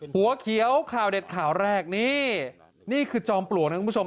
หัวเขียวข่าวเด็ดข่าวแรกนี่นี่คือจอมปลวกนะคุณผู้ชม